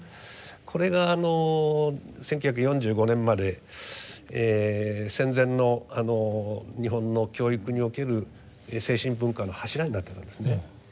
これが１９４５年まで戦前の日本の教育における精神文化の柱になっていたんですね。